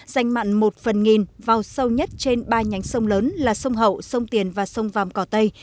dành mặn một phần nghìn vào sâu nhất trên ba nhánh sông lớn là sông hậu sông tiền và sông vàm cỏ tây